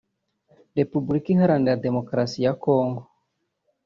Repubulika Iharanira Demokarasi ya Kongo